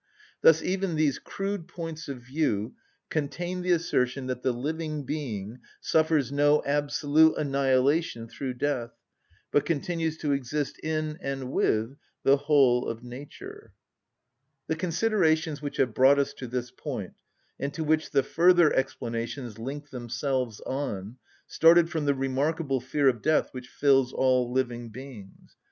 Thus even these crude points of view contain the assertion that the living being suffers no absolute annihilation through death, but continues to exist in and with the whole of nature. The considerations which have brought us to this point, and to which the further explanations link themselves on, started from the remarkable fear of death which fills all living beings.